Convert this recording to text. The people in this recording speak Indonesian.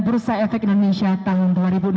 bursa efek indonesia tahun dua ribu enam belas